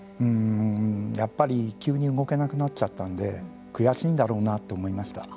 やっぱり急に動けなくなっちゃったんで悔しいんだろうなと思いました。